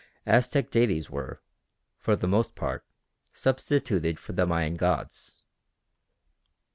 Aztec deities were, for the most part, substituted for the Mayan gods.